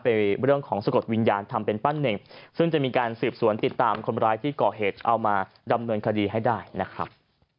เรื่องของสะกดวิญญาณทำเป็นปั้นเน่งซึ่งจะมีการสืบสวนติดตามคนร้ายที่ก่อเหตุเอามาดำเนินคดีให้ได้นะครับ